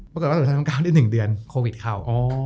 ปรากฏว่าธนาภารามก้าวที่๑เดือนโควิดเข้า